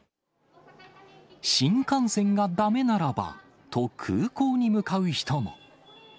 新幹線がだめならばと、空港に向かう人も。